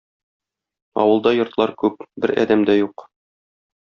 Авылда йортлар күп, бер адәм дә юк.